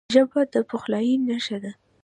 ژبه د پخلاینې نښه ده